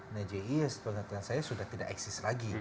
nah ji yang saya perhatikan sudah tidak eksis lagi